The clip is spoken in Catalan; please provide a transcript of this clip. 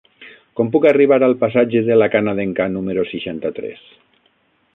Com puc arribar al passatge de La Canadenca número seixanta-tres?